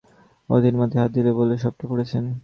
অতীন মাথায় হাত দিয়ে বললে, সবটা পড়েছেন?